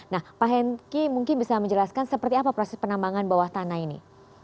nah pak henki mungkin bisa menjelaskan seperti apa proses penambangan bawah tanah ini